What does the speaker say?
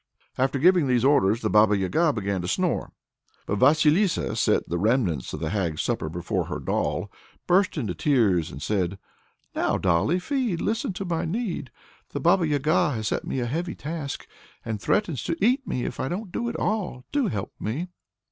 After giving these orders the Baba Yaga began to snore. But Vasilissa set the remnants of the hag's supper before her doll, burst into tears, and said: "Now, dolly, feed, listen to my need! The Baba Yaga has set me a heavy task, and threatens to eat me if I don't do it all. Do help me!"